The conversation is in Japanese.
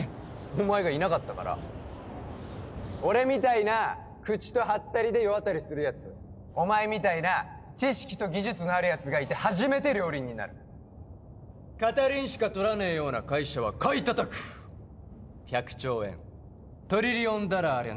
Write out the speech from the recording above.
お前がいなかったから俺みたいな口とハッタリで世渡りするやつお前みたいな知識と技術のあるやつがいて初めて両輪になる片輪しかとらねえような会社は買いたたく１００兆円トリリオンダラーありゃ